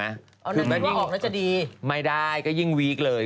นางดูว่าออกน่าจะดีไม่ได้ก็ยิ่งวีคเลย